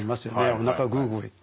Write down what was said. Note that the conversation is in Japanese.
おなかグーグーいって。